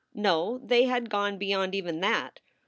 No, they had gone beyond even that.